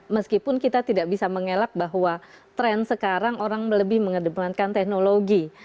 meskipun kita tidak bisa mengelak bahwa tren sekarang orang lebih mengedepankan teknologi